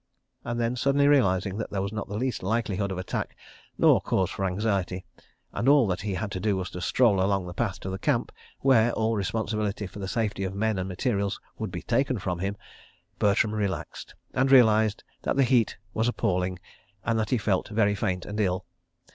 ..." And then, suddenly realising that there was not the least likelihood of attack nor cause for anxiety, and that all he had to do was to stroll along a path to the camp, where all responsibility for the safety of men and materials would be taken from him, Bertram relaxed, and realised that the heat was appalling and that he felt very faint and ill.